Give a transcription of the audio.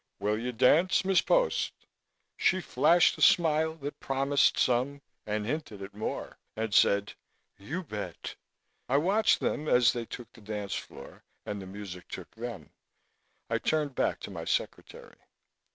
"Will you dance, Miss Post?" She flashed a smile that promised some and hinted at more, and said, "You bet!" I watched them as they took the dance floor and the music took them. I turned back to my secretary.